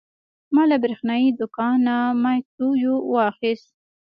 ما له برېښنايي دوکانه مایکروویو واخیست.